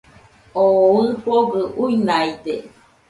Oo ɨfogɨ uinaide